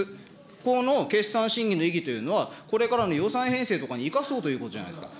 この決算審議の意義というのは、これからの予算編成とかに生かそうということじゃないですか。